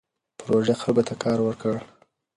پروژه خلکو ته کار ورکړ.